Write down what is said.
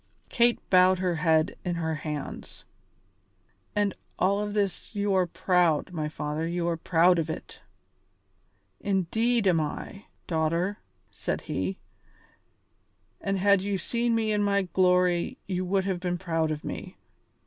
Kate bowed her head in her hands. "And of all this you are proud, my father, you are proud of it!" "Indeed am I, daughter," said he; "and had you seen me in my glory you would have been proud of me.